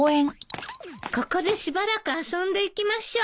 ここでしばらく遊んでいきましょう。